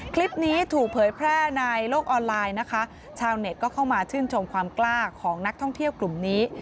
คลิปนี้ถูกเผยแพร่ในโลกออนไลน์นะคะชาวเน็ตก็เข้ามาชื่นชมความกล้าของนักท่องเที่ยวกลุ่มนี้